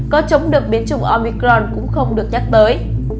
có chống được biến chủng omicron cũng không được nhắc tới